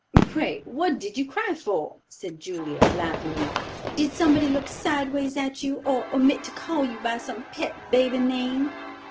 "Pray what did you cry for?" said Julia, laughingly. "Did somebody look sideways at you, or omit to call you by some pet baby name?"